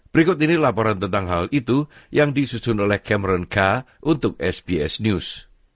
berikut ini laporan tentang hal itu yang disusun oleh kemeron k untuk sbs news